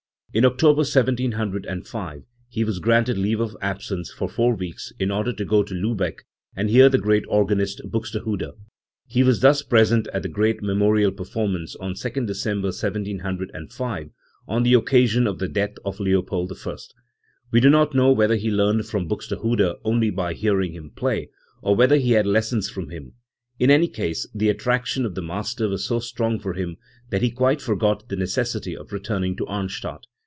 In October 1705 he was granted leave of absence for four weeks, in order to go to Lubecfc and hear the great organist Buxte hude. He was thus present at the great memorial per formance on 2nd December 1705, on the occasion of the death of Leopold I. We do not know whether he learned from Buxtehude only by hearing him play, or whether he had lessons from him. In any case the attraction of the master was so strong for him that he quite forgot the necessity of returning to Arnstadt.